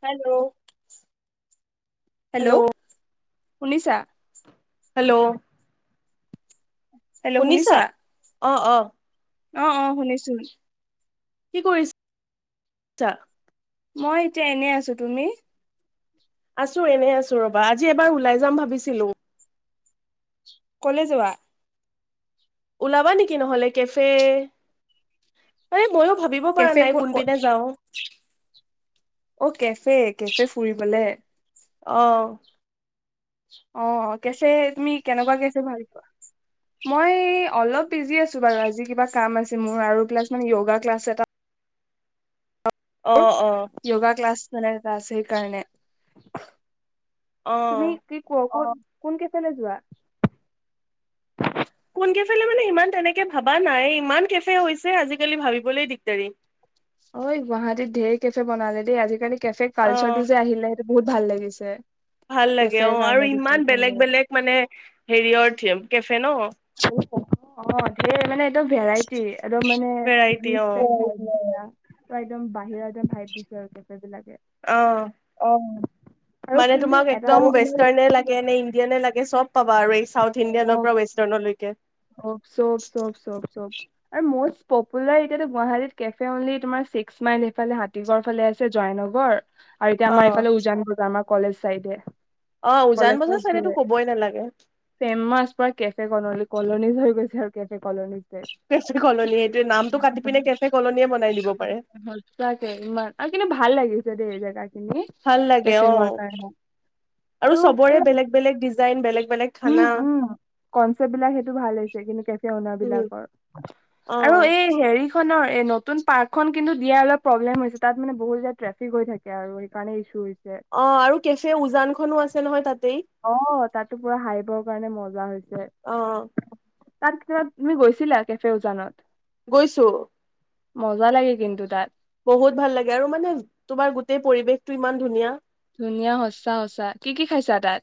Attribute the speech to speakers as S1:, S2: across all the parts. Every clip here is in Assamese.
S1: হেল্ল'। হেল্ল'। শুনিছা
S2: হেল্ল'
S1: হেল্ল' শুনিছা
S2: অ অ
S1: অ অ শুনিছো
S2: কি কৰিছা
S1: মই এতিয়া এনে আছো তুমি
S2: আছো এনে আছো ৰবা আজি এবাৰ ওলাই যাম ভাবিছিলো
S1: কলে যোৱা
S2: ওলাবা নেকি নহলে কেফে এই ময়ো ভাবিব পৰা
S1: কেফে
S2: নাই
S1: ক
S2: কোনপিনে যাও
S1: অ কেফে কেফে ফুৰিবলে
S2: অ
S1: অ কেফে তুমি কেনেকোৱা কেফে ভাল পোৱা মই অলপ বিজী আছো বাৰু আজি কিবা কাম আছে মোৰ আৰু ক্লাছ মানে কি য়োগা ক্লাছ এটা
S2: অ অ
S1: য়োগা ক্লাছ মানে এটা আছে সেইকাৰণে
S2: অ
S1: তুমি কি কোৱা ক কোন কেফেলৈ যোৱা
S2: কোন কেফেলে মানে ইমান তেনেকে ভাবা নাই ইমান কেফে হৈছে আজিকালি ভাবিবলৈ দিগদাৰী
S1: ঐ গুৱাহাটীত ধেই কেফে বনালে দেই আজিকালি কেফে
S2: অ
S1: কালচাৰটো যে আহিলে বহুত ভাল লাগিছে
S2: ভাল লাগে
S1: কেফেৰ
S2: অ আৰু
S1: কাৰণে
S2: ইমান বেলেগ
S1: গোটেইখিনি
S2: বেলেগ মানে হেৰিয়ৰ থিম যে ন
S1: অ ধেৰ মানে একদম ভেৰাইটি একদম মানে
S2: ভেৰাইটি
S1: গ্ৰীছ
S2: অ
S1: ইষ্টাইল একদম বাহিৰত
S2: অ
S1: আৰু
S2: মানে
S1: কিন্তু
S2: তোমাক
S1: এটা
S2: একদম ৱেষ্টাৰ্ণে লাগে নে ইণ্ডিয়ানে লাগে চব পাবা আৰু এই চাউথ ইণ্ডিয়ানৰ পৰা ৱেষ্টাৰ্ণ জনলৈকে
S1: অ চব চব চব চব আৰু মজ পপুলাৰ এতিয়া গুৱাহাটীত কেফে অনলি তোমাৰ ছিক্স মাইল এইফালে হাতীগড় ফালে আছে জয়নগৰ আৰু এতিয়া আমাৰ
S2: অ',
S1: এইফালে উজান বজাৰ আমাৰ কলেজ চাইডে
S2: অ
S1: কলেজ
S2: উজান বজাৰ ছোৱালীতো কবই নালাগে
S1: ফেমাচ পুৰা কেফে কলনি কলনীজ হৈ গৈছে আৰু কে ফে কলনিত যে
S2: কেফে কলনী এইটোৱে নামটো কাটি পিনে কেফে কলনীয়ে বনাই দিব পাৰে।
S1: তাকে ইমান আৰু কিন্তু ভাল লাগিছে যে দেই খিনি
S2: ভাল লাগে
S1: কেফে
S2: অ
S1: হোৱাৰ কাৰণে
S2: আৰু চবৰে বেলেগ বেলেগ ডিজাইন বেলেগ বেলেগ
S1: উম
S2: খানা
S1: উম কনচেপ্ট বিলাক সেইটো ভাল হৈছে কিন্তু কেফে অনাৰ
S2: উম,
S1: বিলাকৰ আৰু
S2: অ',
S1: এই হেৰিখনৰ এই নতুন পাৰ্কখন কিন্তু দিয়া অলপ প্ৰব্লেম হৈছে তাত মানে বহুত য ট্ৰেফিক হৈ থাকে আৰু সেইকাৰণে ইছ্যু হৈছে
S2: অ আৰু কেফে উজান খনো আছে নহয় তাতে
S1: অ তাতো পুৰা হাই বৰ [unintelligible] কাৰণে মজা হৈছে
S2: আহ
S1: তাৰ পিছত তুমি গৈছিলা কেফে উজানত
S2: গৈছো
S1: মজা লাগে কিন্তু তাত
S2: বহুত ভাল লাগে আৰু মানে তোমাৰ গোটেই পৰিৱেশটো ইমান ধুনীয়া
S1: ধুনীয়া সঁচা সচা কি কি খাইছা তাত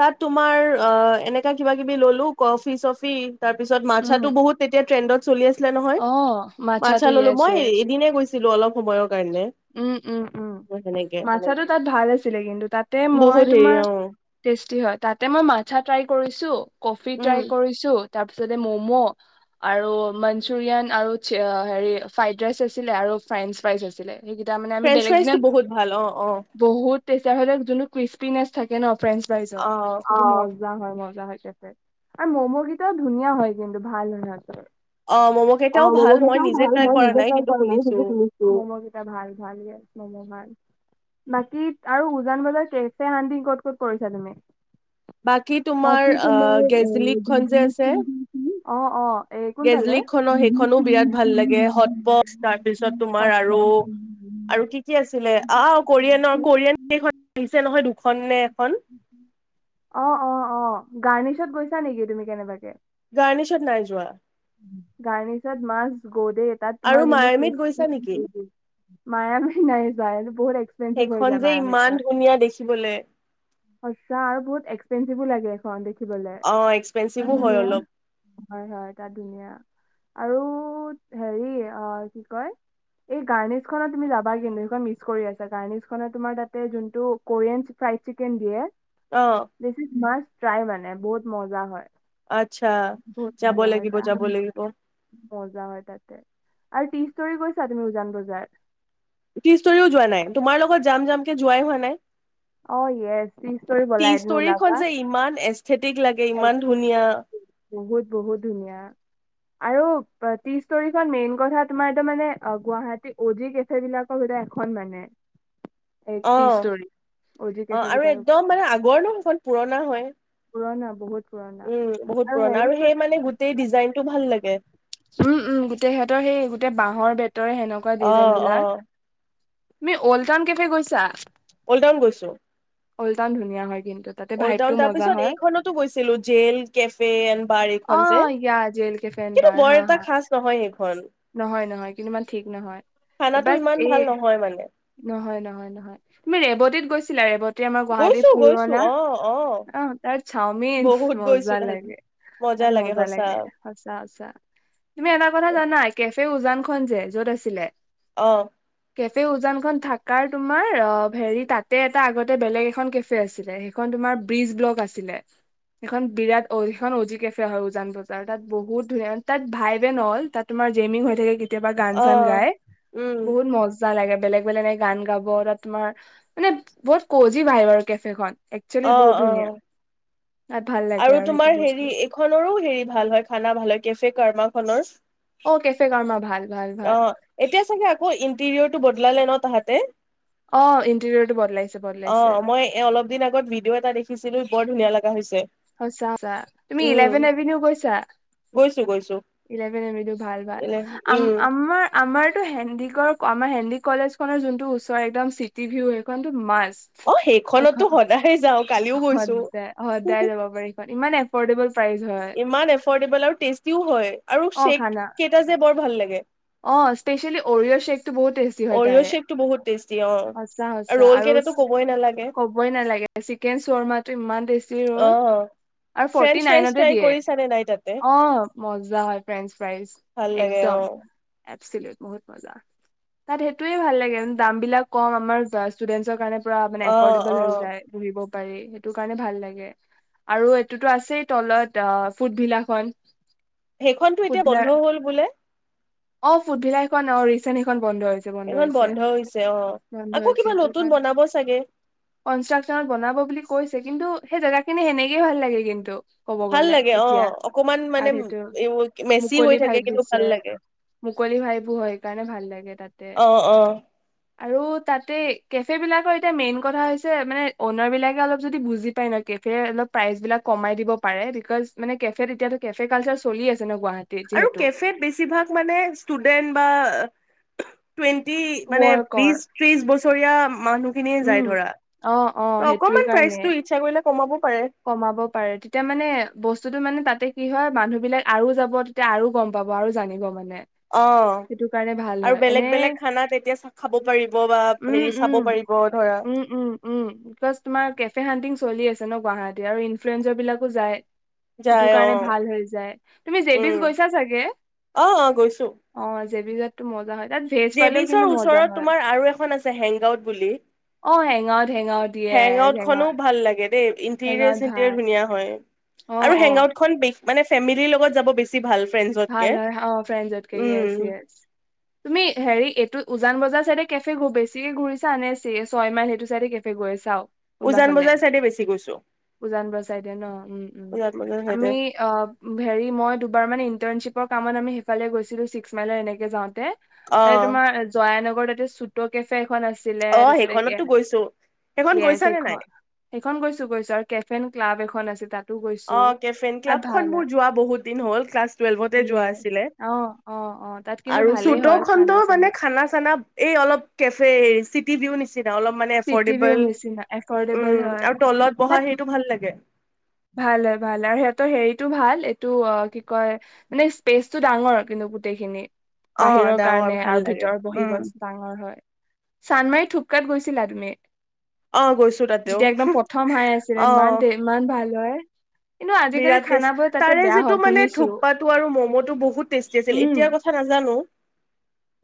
S2: তাত তোমাৰ অ এনেকা কিবা কিবি ললো কফি চফি তাৰ পিছত
S1: উম
S2: মাথাছত [unintelligible] বহুত তেতিয়া ট্ৰেডত চলি আছে
S1: অ মাথাটো ইছে
S2: এদিনে গৈছিলো অলপ সময়ৰ কাৰণে
S1: উম উম উম
S2: সেনেকে
S1: মাথাটো তাত ভাল আছিলে কিন্তু তাতে মই
S2: বহুত হেৰি
S1: তোমাৰ
S2: অ'
S1: টেষ্টি হয় তাতে মই মাথা ট্ৰাই কৰিছো কফি
S2: উম
S1: ট্ৰাই কৰিছো তাৰপিছতে ম'ম' আৰু মান মুৰিয়ান আৰু হেৰি ফ্ৰাইড ৰাইচ আছিলে আৰু ফ্ৰেঞ্চ ফাইচ আছিলে [unintelligible] আমি
S2: ফ্ৰেঞ্চ ফ্ৰাইজটো বহুত ভাল অ অ
S1: তেচাৰ হলে যোনো ক্ৰিচপিনেছ থাকে ন ফ্ৰেণ্ছ লাই যত অ ম হয় মজা হয় কে আৰু মম' কেইটাও ধুনীয়া হয় কিন্তু ভাল নচ
S2: অ' ম'ম'
S1: অ
S2: কেইটাও ভাল
S1: ম'ম'
S2: মই
S1: কেইটাও
S2: নিজে
S1: ভাল
S2: ট্ৰাই
S1: মই
S2: কৰা
S1: নিজে
S2: নাই
S1: তাই
S2: কিন্তু
S1: কৰা নাই
S2: শুনিছো
S1: সেইটো শুনিছো মেই ভ ভ মম ভ বাকী আৰু উজান বজাৰ কেচ হানদি ক'ত ক'ত পৰিছা তুমি
S2: বাকী তোমাৰ
S1: বাকী এ
S2: গেজলিক খন
S1: জলপান
S2: যে আছে
S1: খুন্দি আছিলে। অ অ এ কোনফালে
S2: গেজলিক খনৰ সেইখনো বিৰাট ভাল লাগে হট পচ তাৰপিছত তোমাৰ
S1: হয়,
S2: আৰু
S1: হয়।
S2: আৰু কি কি আছিলে আহ কোৰিয়ানৰ কোৰিয়ান সেইখন আহিছে নহয় দুখন নে এখন
S1: অ', অ', অ', গাৰ্নিছত গৈছা নেকি তুমি কেনেবাকে
S2: গ নিছত নাই যোৱা
S1: গাৰনিছত মাছ গ দ তাত
S2: আৰু
S1: তোমাৰ যোন
S2: মায়ামিত গৈছা নেকি?
S1: মায়ামী নাই যা বহুত এক্সপেঞ্চিভ হৈ
S2: সেইখন
S1: যায়
S2: যে ইমান
S1: মায়ামীখন
S2: ধুনীয়া দেখিবলে
S1: সচা আৰু বহুত এক্সপেঞ্চিভ লাগ গে খুৱা দি [unintelligible] দিবলে
S2: অ এক্সপেঞ্চিভো হয় অলপ
S1: ধুন হয় হয় তাত ধুনীয়া। আৰু হাৰি কি কয় গান ইচখন যাৱা কিন্তু মিছ কৰি আছো। গান ইচখন তোমাৰ তাতে যোনটো কুইন ফাৰাইফিকেন দিয়ে।
S2: অ
S1: দি ইচ মাই। টাই মানে বহুত মজা হয়।
S2: আচ্ছা
S1: বহুত
S2: যাব
S1: মজা হয়
S2: লাগিব যাব
S1: তাত
S2: লাগিব।
S1: মজা হয় তাতে আৰু তিজ্তৰি গৈছা তুমি উজান বজাৰ।
S2: তিস্তৰিও যোৱা নাই তোমাৰ লগত যাম যাম কেে যোৱাই হোৱা নাই।
S1: অ ফিষ্টষ্ট বলাই ওলাবা।
S2: চেতিক লাগে ইমান
S1: এক-
S2: ধুনীয়া।
S1: বহুত বহুত ধুনীয়া আৰু টি ষ্টৰিখন মেইন কথা তোমাৰটো মানে গুৱাহাটী অজি কেফে বিলাকৰ ভিতৰত এখন মানে। এই
S2: অ
S1: টি ষ্টৰি জি
S2: অ
S1: কেফে
S2: আৰু
S1: বিলাকৰ
S2: একদম মানে আগৰ নো সমান পুৰণা হয়।
S1: পুৰণা বহুত পুৰণা
S2: উম বহুত পুৰণা
S1: হেৰি
S2: আৰু সেই মানে গোটেই
S1: কৰি
S2: ডিজাইনতটো ভাল। ভাল লাগে।
S1: উম উম গোটেই সিহঁতৰ সেই গোটেই বাঁহৰ বেতৰ সেনেকুৱা
S2: অ
S1: ডিজাইন
S2: অ
S1: বিলাক। তুমি অল্ড টাউন কেফে গৈছা।
S2: কলউন গৈছো।
S1: উলটান ধুনীয়া হয় কিন্তু। তাতে
S2: অল্ড
S1: ভাইভটো
S2: টাউন
S1: মজা
S2: তাৰপিছত
S1: হয়
S2: এইখনতো গৈছিলো জেল কেফে এন বাৰ
S1: অ
S2: এইখন যে
S1: ইয়া জেল কেফে এণ্ড
S2: কিন্তু।
S1: বাৰ
S2: বৰ
S1: হা
S2: এটা
S1: হা
S2: খচ নহয়। হয়।
S1: নহয় নহয় কিন্তু ইমান ঠিক নহয়
S2: খানাটো
S1: বাট
S2: ইমান
S1: এই।
S2: ভাল নহয় মানে।
S1: নহয় নহয় নহয় তুমি ৰেৱতীত গৈছ। চিলাই বত। আমাৰ গুৱাহাটীত
S2: গৈছো গৈছো
S1: পুৰণা
S2: অ অ
S1: আহ তাইৰ চাওমিন
S2: বহুত গৈছো
S1: মজা
S2: তাত
S1: লাগে তাত মজা লাগে সঁচা তুমি এটা কথা জানা কে উাজান। খ যে য'ত আছিলে।
S2: অহ।
S1: কেফে উওজান। খন থাকাৰ তোমাৰ অ হেৰি তাতে এটা আগতে বেলেগ এখন কেফে আছিলে। সেইখন তোমাৰ ব্ৰিজ ব্লক আছিলে। এখন বিৰাট সখন অজি কেফে হয় উজান বজাৰ তাত বহুত ধুনীয়া তাত ভাইভ এন অল তাত তোমাৰ জেমিং হৈ থাকে। কেতিয়াবা গান
S2: অ
S1: চান গাই
S2: উম
S1: বহুত মজা লাগে। বেলেগ গান গাব তাত তোমাৰ মানে বহুত কজি ভাই বাৰু কেফে খন। একচেলি
S2: অ
S1: বহুত
S2: অ
S1: ধুনীয়া। তাত ভাল লাগে
S2: আৰু
S1: সেইটো
S2: তোমাৰ
S1: বস্তু
S2: হেৰি এইখনৰো হেৰি ভাল হয় খানা ভাল হয় কেফে কৰ্মাক। ফলৰ।
S1: অ কেফে কৰ্মা ভাল ভাল
S2: অ
S1: ভাল
S2: এতিয়া চাগে আকৌ ইণ্টেৰিয়ৰটো বদলালে ন। পাহতে
S1: অ ইণ্টেৰিয়ৰটো বদলাইছে বদলাইছে
S2: ও এটা দেখিছিলো বৰ ধুনীয়া লগা হৈছে
S1: সঁচা তুমি
S2: উম
S1: ইলেভেন এভিনিও গৈছা
S2: গৈছো গৈছো
S1: ইলেভেন এভিনিউ ভাল ভাল
S2: এনে উম
S1: আমাৰ আমাৰ এইটো হেণ্ডিগড় আমাৰ হেণ্ডিগড় কলেজ খনৰ যোনটো ওচৰত একদম চিটি ভিউ সেইখনো মাছ
S2: অ সেইখনতো সদায়ে যাও কালিও গৈছো
S1: সদায় সদায় যাব পাৰে সেইখন ইমান এফৰ্ডেবল অ
S2: ইমান এফৰ্ডেবল আৰু টেষ্টিও হয় আৰু শ্বেক
S1: খালা
S2: কেইটা যে বৰ ভাল লাগে
S1: অ ইচপেচিয়েলী সৰিঅ শ্বেকটো বহুত তেষ্টী হয়
S2: অৰিঅ'
S1: তাৰে
S2: শ্বেকটো বহুত টেষ্টি অ
S1: সঁচা সঁচা
S2: ৰ'ল
S1: আৰু
S2: কেইটাতো ক'বই নালাগে
S1: কবইনালগে চিকেন [unintelligible] সাওমাটো ইমান টেষ্টি
S2: অ
S1: আৰু ফৰটি
S2: ফ্ৰেঞ্চ ফ্ৰাইজ
S1: নাইনতে
S2: ট্ৰাই
S1: দিয়ে
S2: কৰিছানে নাই তাতে
S1: অ মজা হয় ফ্ৰেঞ্চ ফ্ৰাইজ
S2: ভাল লাগে অ
S1: একদম বহুত মজা তাত সেইটোয়ে ভাল লাগে দাম বিলাক কম আমাৰ ষ্টুডেণ্টৰ কাৰণে মানে
S2: অ
S1: এফৰ্ডেবল
S2: অ
S1: হৈ যায় সেইটো কাৰণে ভাল লাগে আৰু এইটোতো আছেই তলত অ ফুটভিলাখনন
S2: সেইখনতো এতিয়া বন্ধ হ'ল বোলে
S1: অ ফুটবিলা সেইখন অ ৰিচেন্ট সেইখন বন্ধ হৈছে বন্ধ
S2: সেইখন
S1: হৈছে
S2: হৈছে অ
S1: বন্ধ
S2: আকৌ
S1: হৈছে
S2: কিবা
S1: সেটো
S2: নতুন
S1: কাৰণে
S2: বনাব চাগে
S1: কন্ৰাকখনত বনাব বুলি কৈছে কিন্তু সেই জেগা খিনি সেনেকেই ভাল লাগে কিন্তু ক'ব
S2: ভাল
S1: গ'লে
S2: লাগে অ
S1: এতিয়া
S2: অকমান মানে
S1: আৰু সেইটো
S2: মেচি
S1: মুকলি
S2: হৈ থাকে
S1: ভাইব
S2: কিন্তু
S1: দিছে
S2: ভাল লাগে
S1: মুকলি ভাইবোৰ সেইকাৰণে ভাল লাগে তাতে
S2: অ অ
S1: আৰু তাতে কেফে বিলাকৰ এতিয়া মেইন কথা হৈছে মানে অনাৰ বিলাকে অলপ যদি বুজি পাই ন কেফে অলপ প্ৰাইচ বিলাক কমাই দিব পাৰে বিকজ মানে কেফ এতিয়াাতো কেফে কালচাৰ চলি আছে ন গুৱাহাটীত
S2: আৰু
S1: যিহেতু।
S2: কেফেত বেছিভাগ মানে ষ্টুডেন্ বা টুৱেণ্টি মানে
S1: ৱৰ্কৰ।
S2: বিশ ত্ৰিশ বছৰীয়া মানুহ খিনিয়ে যাই
S1: উম,
S2: ধৰা
S1: অ', অ',
S2: ত
S1: সেইটোৱে
S2: অকমান
S1: কাৰণে
S2: প্ৰাইজতো ইচ্ছা কৰিলে কমাব পাৰে
S1: কমাব পাৰে তেতিয়া মানে বস্তুতটো মানে তাতে কি হয় মানুহ বিলাক আৰু যাব তেতিয়া আৰু গম পাব আৰু জানিব মানে
S2: অ
S1: সেইটো কাৰণে ভাল
S2: আৰু
S1: হয় এনে
S2: বেলেগ বেলেগ খানা তেতিয়া খাব পাৰিব বা
S1: উম
S2: হেৰি চাব
S1: উম
S2: পাৰিব ধৰা
S1: উম উম উম বিকজ তোমাৰ কেফে হানটিং চলি আছে ন গুৱাহাটী আৰু ইনফ্লুৱয়েজৰ বিলাকো যায় সেইটো
S2: যাই অ
S1: কাৰণে ভাল হৈ যায় তুমি জেবিচ
S2: উম
S1: গৈছা চাগে
S2: অ অ গৈছো
S1: অ জে বি যেত টো মজা হয় তাত ভেজ পালেও কিন্তু মজা হয়
S2: হেংগ আউত বুলি
S1: হেং আউত
S2: হেং আউট খনো ভাল লাগে দেই ইণ্টেৰিয়ৰ
S1: হেঙাওত
S2: চিণ্টেৰিয়ৰ
S1: ভাল
S2: ধুনীয়া হয়
S1: অ
S2: আৰু
S1: অ
S2: হেং আউট খন পি মানে ফেমিলিৰ লগত যাব বেছি ভাল ফ্ৰেণ্ডছতকে
S1: ভাল হয় অ ফ্ৰেণ্ডজতকে
S2: উম
S1: য়েছ য়েছ তুমি হেৰি এইটো উজান বজাৰ চাইডে কেফে বেছিকে ঘূৰিছা নে চিৰে ছয় মাইল সেইটো চাইডে কেফে গৈছাও ওলটা
S2: উজান
S1: ফালে
S2: বজাৰ চাইডে বেছি গৈছো
S1: উজান বজাৰ চাইডে ন উম উম
S2: উজান বজাৰ
S1: আমি
S2: চাইডে
S1: অ হেৰি মই দুবাৰ মানে টিপৰ কামত আমি সেইফালে গৈছিলো ছিক্স মাইলৰ এনেকে যাওঁতে এ
S2: অ
S1: তোমাৰ জোৱা এ নক আকৌ তাতে চোতৰ কেফে খন আছিলে
S2: অ
S1: তাৰপিছত এতিয়া
S2: সেইখনতো গৈছো সেইখন
S1: য়েছ
S2: গৈছা নে নাই
S1: সেইখন সেইখন গৈছো গৈছো আৰু কেফ এন ক্লাব এখন দুখন আছে তাত গৈছো
S2: অ কেফে এন ক্লাবখন
S1: ভাল
S2: মোৰ
S1: হয়
S2: যোৱা বহুত দিন হল ক্লাছ টুৱেলভতে যোৱা
S1: য়েছ
S2: আছিলে
S1: অ অ অ তাত কিন্তু
S2: আৰু
S1: ভালেই
S2: চুত
S1: হয় খানা
S2: খনতো
S1: চানা
S2: মানে খানা চানা এই অলপ কেফে ৰিচিটি জিও নিছে অলপ মানে
S1: চিটি ভিউ
S2: এফৰ্ডেবল
S1: নিচিনা এফৰ্ডেবল
S2: উম
S1: হয়
S2: আৰু তলত
S1: তাত
S2: বহা সেইটো ভাল লাগে
S1: ভাল হয় ভাল আৰু সিহঁতৰ হেৰিটো ভাল এইটো অ কি কয় মানে স্পেচটো ডাঙৰ কিন্তু গোটেইখিনি
S2: অ
S1: বাহিৰৰ
S2: ডাঙৰ
S1: কাৰণে
S2: ভাল
S1: আৰু
S2: লাগে
S1: ভিতৰত বহিব
S2: উম
S1: ব ডাঙৰ হয় চানমাই থোপকাত গৈছিলা তুমি
S2: অহ গৈছো তাতেও
S1: যেতিয়া একদম প্ৰথম হাই আছিলে ইমান
S2: অহ
S1: দে- ইমান ভাল হয় কিন্তু আজিকালি
S2: বিৰাট
S1: খানাবোৰ
S2: টেষ্ট
S1: তাতে
S2: তাৰে
S1: বেয়া হয়
S2: যিটো মানে
S1: শুনিছো
S2: থোপ্পাটো আৰু ম'ম'টো বহুত টেষ্টি আছিল
S1: উম
S2: এতিয়াৰ কথা নাজানো হেল্ল'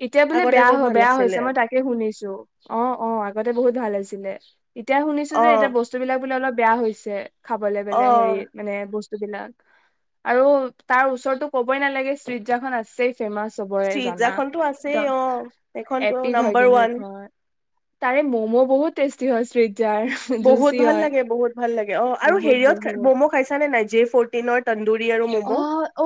S1: এতিয়া বোলে বেয়া বেয়া হৈছে মই তাকে শুনিছো অ অ আগতে বহুত ভাল আছিলে চি এতিয়া শুনিছো যে
S2: অ
S1: এতিয়া বস্তুবিলাক বোলে অলপ বেয়া হৈছে খাবলৈ বেলেগ
S2: অ
S1: হেৰি মানে বস্তু বস্তুবিলাক আৰু তাৰ ওচৰততো ক'বই নালাগে চিজাখন আছে ফেমাচ হ'বৰে জানা
S2: আছে অ' সেইখন তোৰ
S1: এপিক হয়
S2: নাম্বাৰ
S1: কিন্তু
S2: ওৱান।
S1: এইখন তাৰে ম'ম' বহুত টেষ্টি হয় শ্ৰী
S2: বহুত ভাল লাগে, বহুত ভাল লাগে অ' আৰু
S1: বহুত
S2: হেৰিয়ত
S1: বহুত
S2: ম'ম' খাইছা নে নাই? যে ফ'টি নৰ তন্দুৰি। তন্দুৰী আৰু ম'ম
S1: অ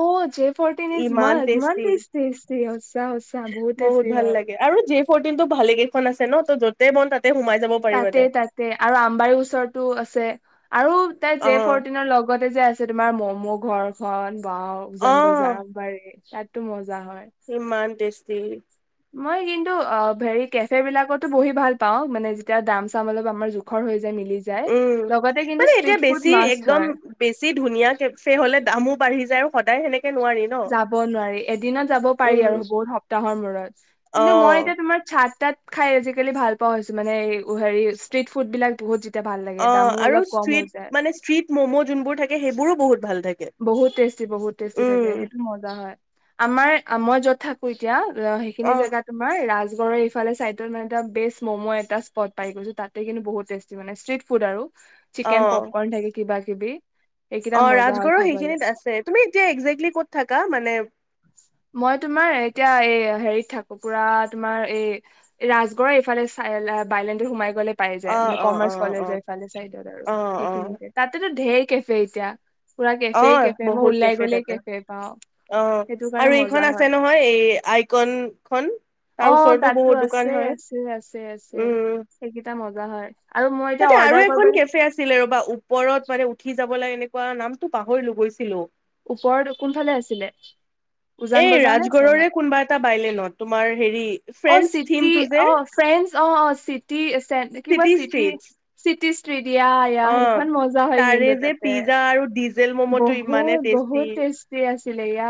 S1: অ জে ফৰ্টিন ইজ
S2: ইমান
S1: মাষ্ট ইমান
S2: টেষ্টি,
S1: টেষ্টি সঁচা সঁচা বহুত টেষ্টি হয়
S2: আৰু জে ফৰ্টিন টো ভালে কেইখন আছে ন ' যতেই বন তাত
S1: তাতে তাতে আৰু আম বাৰু ওচৰতো আছে আৰু তাই
S2: অ
S1: জে ফৰটিনৰ লগতে যে আছ ছে তোমাৰ ম'ম' ঘৰখন ওৱাও
S2: অ
S1: উজান বজাৰ বৰ তাত টো মজ
S2: ইমান টেষ্ট তি
S1: মই কিন্তু অ ভেৰি কেফে বিলাকতো বহি ভাল পাওঁ মানে যেতিয়া দাম চাম অলপ আমাৰ জোখৰ হৈ যায় মিলি যায়।
S2: উম
S1: লগতে কিন্তু
S2: মানে এতিয়া
S1: ষ্ট্ৰিট ফুড
S2: বেছি
S1: মাষ্ট
S2: একদম
S1: হয়।
S2: বেছি ধুনীয়া কেফে হ'লে দামো বাঢ়ি যায় আৰু সদায় সেনেক
S1: যাব নোৱাৰি এদিনত যাব পাৰি
S2: উম
S1: আৰু বহুত সপ্তাহৰ মূৰত
S2: অ
S1: কিন্তু মই এতিয়া তোমাৰ চাহ তাত খাই আজিকালি ভাল পোৱা হৈছো মানে এই হেৰি ষ্ট্ৰিট ফুড বিলাক পোহজিত
S2: অ আৰু স্ট্ৰিট মানে স্ট্ৰিট ম'ম' যোনবোৰ থাকে সেইবোৰো বহুত ভাল থাকে
S1: বহুত টেষ্টি বহুত টেষ্টি থাকে
S2: উম,
S1: সেইটো মজা হয়। আমাৰ আ মই যত থাকো এতিয়া ৰহ সেইখিনি
S2: অ',
S1: জেগা তোমাৰ ৰাজ গড়ৰ এইফালে চাইতত মানে এটা বেষ্ট মম' এটা স্পট পাই গৈছো তাতে কিন্তু বহুত টেষ্টি মানে, ষ্ট্ৰীট ফুড আৰু। চিকেন
S2: অ',
S1: পপকৰ্ণ থাকে কিবা-কি কিবি এইকেইটা মজা হয়।
S2: আৰু
S1: খাবলে
S2: সেইখিনিত আছে তুমি এতিয়া একজেক্টলি ক'ত থাকা মানে
S1: মই তোমাৰ এতিয়া এই হেৰিত থাকো পুৰা তোমাৰ এই ৰাজগড়ৰ এইফালে চাই বাইলেনটোত সোমাই গ'লে পাই যাই
S2: অ',
S1: মানে
S2: অ',
S1: কমাৰ্চ
S2: অ', অ',
S1: কলেজৰ ইফালে চাইত আৰু।
S2: অ', অ',
S1: সেইখিনিতে, তাতেটো ধেৰ কেফে ইতিয়া
S2: অ বহুত কেফে তাতে
S1: পাওঁ
S2: অ
S1: সেইটো কাৰণে
S2: আৰু এইখন
S1: মজা হয়।
S2: আছে নহয় এই আইকন খন
S1: অ
S2: তাৰ ওচৰতো
S1: তাতো
S2: বহুত দোকান
S1: আছে
S2: হয়
S1: আছে আছে আছে
S2: উম
S1: সেইকেইটা মজা হয় আৰু মই এতিয়া
S2: তাতে আৰু
S1: অৰ্ডাৰ
S2: এখন
S1: কৰিবলৈ
S2: কেফে আছিল ৰবা ওপৰত মানে উঠি যাব মানে এনেকুৱা নাম পাহৰিলো গৈছিলো
S1: ওপৰত টো কোনফালে আছিলে উজান
S2: এই
S1: বজাৰ নে শৰ্মা
S2: ৰাজগড়ৰে কোনোবা এটা বাইলে ন তোমাৰ হেৰি
S1: অ
S2: ফ্ৰেণ্ড
S1: চিটি
S2: থিমটো যে
S1: অ ফ্ৰেন্স অ অ চিটি চেত কিবা চিটি চিটি ষ্ট্ৰিট ইয়া ইয়া
S2: অ
S1: সেইখন মজা হয়
S2: তাৰে
S1: কিন্তু
S2: যে
S1: তাতে
S2: পিজ্জা আৰু ডিজেল মম' টো ইমানে টেষ্ট
S1: বহু টেষ্টি আছিলে ইয়া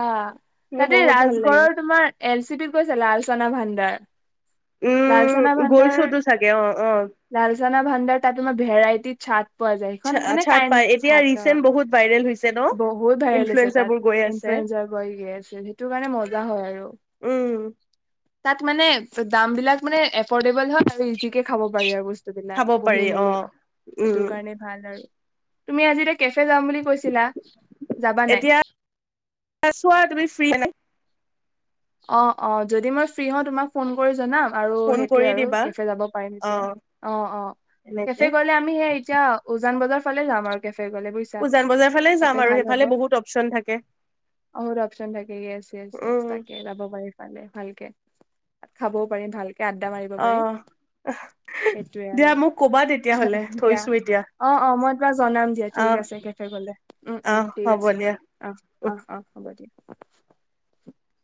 S2: মোৰ
S1: তাতে
S2: বহুত ভাল লাগে।
S1: ৰাজগড়ৰ তোমাৰ এল চি পিত গৈছা লালচনা ভণ্ডাৰ লালচনা
S2: উম,
S1: ভাডাৰ
S2: গৈছোতো চাগে অ', অ'।
S1: লালচনা ভাণ্ডাৰ তাত তোমাৰ ভেৰাইটি ছত্ৰ
S2: ছাট পায় এতিয়া ৰিচেন্ট বহুত ভাইৰেল হৈছে ন
S1: বহুত ভাইৰেল আছে
S2: ইনফ্লুৱেঞ্চাৰ
S1: তাত
S2: বোৰ গৈ আছে,
S1: ইনফ্লয়েঞজাৰ বয় গে আছে সেইটো কাৰণে মজা হয় আৰু
S2: উম,
S1: তাত মানে দাম বিলাক মানে এফৰ্ড দেবল আৰু ইজিকে খাব পাৰি আৰু বস্তুবিলাক
S2: খাব
S1: বহি
S2: পাৰি
S1: মেলি
S2: অ'। উম,
S1: সেইটো কাৰণে ভাল আৰু তুমি আজি এ কেফে যাম বুলি কৈছিলা যাবা নাই
S2: এতিয়া চোৱা তুমি ফ্ৰী হয‌ নাই
S1: অ অ যদি মই ফ্ৰী হওঁ তোমাক ফোন কৰি জনাম আৰু
S2: ফোন
S1: সেইটোয়ে
S2: কৰি
S1: আৰু
S2: দিবা
S1: কেফে যাব পাৰিম এতিয়া অ অ
S2: এনেকে
S1: কেফে গলে আমি সেই এতিয়া উজান বজাৰ ফালে যাম আৰুেকে গ বুইছা
S2: উজান বজাৰ ফালে যাম
S1: তাতে
S2: আৰু
S1: ভাল হ'ব
S2: সেইফালে বহুত অপচন থাকে,
S1: অহত অপচন থাকে
S2: উম।
S1: তাকে যাব পাৰি ফালে ভালকে খাবও পাৰিম ভালকে। আড্ডা মাৰিব পাৰিম
S2: অ',
S1: সেইটোৱে
S2: দিয়া মোক ক'বা তেতিয়াহ'লে
S1: আৰু দিয়া
S2: থৈছো এতিয়া
S1: অ', অ', মই তোমাক জনাম দিয়া
S2: অ',
S1: ঠিক আছে কেফে গলে উম উম
S2: অ',
S1: ঠিক
S2: হ'ব
S1: আছে
S2: দিয়া।
S1: অ', অ', অ', হ'ব দিয়া। [unintelligible]